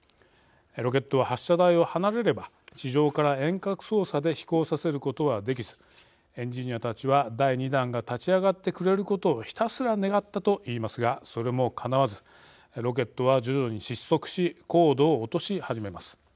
ロケットは発射台を離れれば地上から遠隔操作で飛行させることはできずエンジニアたちは第２段が立ち上がってくれることをひたすら願ったと言いますがそれもかなわずロケットは徐々に失速し高度を落とし始めます。